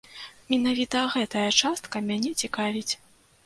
Менавіта гэтая частка мяне цікавіць.